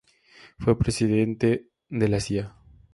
Fue presidente de la Cía.